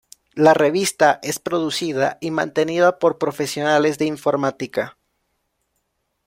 La revista es producida y mantenida por profesionales de informática.